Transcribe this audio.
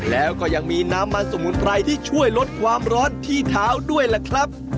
แล้วก็ยังมีน้ำมันสมุนไพรที่ช่วยลดความร้อนที่เท้าด้วยล่ะครับ